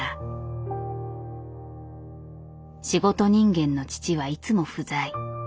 仕事人間の父はいつも不在。